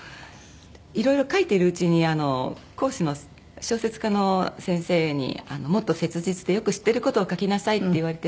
いろいろ書いてるうちにあの講師の小説家の先生に「もっと切実でよく知ってる事を書きなさい」って言われて。